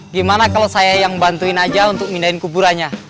gimana kalau saya yang bantuin aja untuk mindahin kuburannya